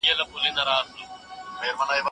ځان په رښتیا او پوره ډول سره وپیژنئ.